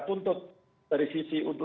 tuntut dari sisi untuk